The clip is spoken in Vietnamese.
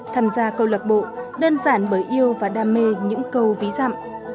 tham gia câu lạc bộ đơn giản bởi yêu và đam mê những câu ví dặm